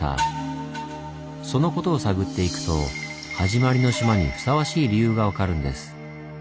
そのことを探っていくと「はじまりの島」にふさわしい理由が分かるんです。